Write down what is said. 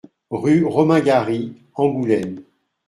Rue Romain Gary, Angoulême